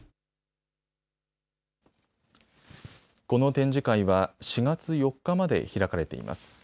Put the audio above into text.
この展示会は４月４日まで開かれています。